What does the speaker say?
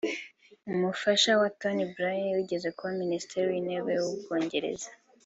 umufasha wa Tony Blair wigeze kuba Minisitiri w’Intebe w’ u Bwongereza